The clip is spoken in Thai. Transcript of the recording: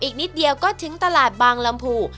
อีกนิดเดียวก็ถึงตลาดบางลำภู